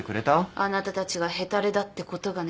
あなたたちがヘタレだってことがね。